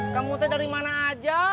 kamu teh dari mana aja